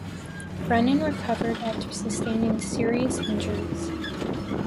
Brennan recovered after sustaining serious injuries.